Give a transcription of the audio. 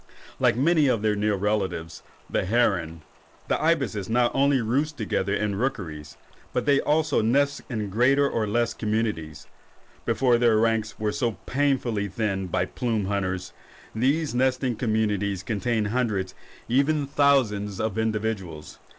Like many of their near relatives, the herons, the ibises not only roost together in rookeries, but they also nest in greater or less communities. Before their ranks were so painfully thinned by the plume hunters, these nesting communities contained hundreds and even thousands of individuals.